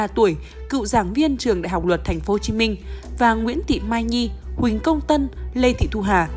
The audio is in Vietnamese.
ba mươi tuổi cựu giảng viên trường đại học luật tp hcm và nguyễn thị mai nhi huỳnh công tân lê thị thu hà